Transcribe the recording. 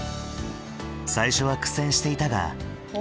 最初は苦戦していたが。